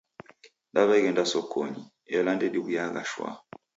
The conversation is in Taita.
Daw'eghenda sokonyi, ela ndediw'uyagha shwaa.